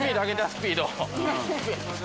スピード。